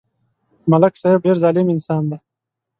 ملک صاحب ډېر ظالم انسان دی